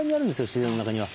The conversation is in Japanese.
自然の中には。